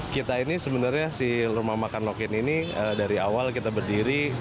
kita ini sebenarnya si rumah makan lokin ini dari awal kita berdiri